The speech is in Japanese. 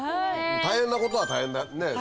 大変なことは大変だよ。